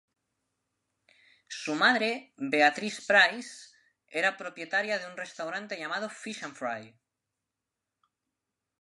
Su madre, Beatrice Price, era propietaria de un restaurante llamado Fish 'n' Fry.